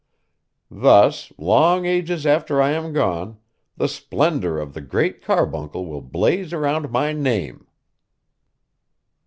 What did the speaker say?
Thus, long ages after I am gone, the splendor of the Great Carbuncle will blaze around my name?